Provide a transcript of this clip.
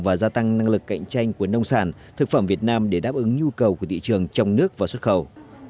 và gia tăng năng lực cạnh tranh của nông sản thực phẩm việt nam để đáp ứng nhu cầu của thị trường trong nước và xuất khẩu